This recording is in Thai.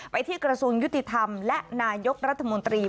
ที่กระทรวงยุติธรรมและนายกรัฐมนตรี